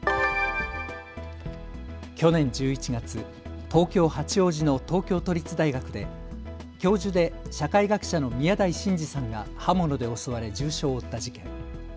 去年１１月、東京八王子の東京都立大学で教授で社会学者の宮台真司さんが刃物で襲われ重傷を負った事件。